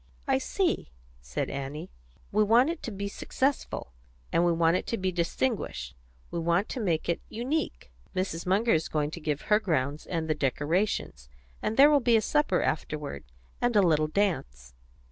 "I see," said Annie. "We want it to be successful, and we want it to be distinguished; we want to make it unique. Mrs. Munger is going to give her grounds and the decorations, and there will be a supper afterward, and a little dance."